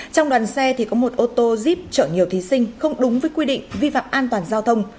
trong đoàn xe thì có một ô tô jeep chở nhiều thí sinh không đúng với quy định vi phạm an toàn giao thông